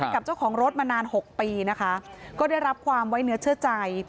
กับเจ้าของรถมานาน๖ปีนะคะก็ได้รับความไว้เนื้อเชื่อใจ